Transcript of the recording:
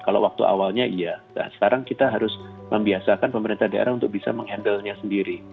kalau waktu awalnya iya sekarang kita harus membiasakan pemerintah daerah untuk bisa menghandle nya sendiri